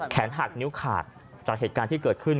หักนิ้วขาดจากเหตุการณ์ที่เกิดขึ้น